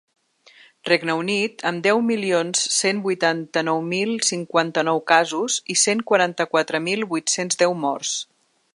Regne Unit, amb deu milions cent vuitanta-nou mil cinquanta-nou casos i cent quaranta-quatre mil vuit-cents deu morts.